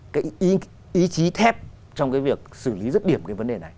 cái ý chí thép trong cái việc xử lý rứt điểm cái vấn đề này